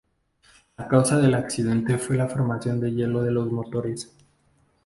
La causa del accidente fue la formación de hielo de los motores.